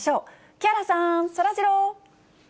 木原さん、そらジロー。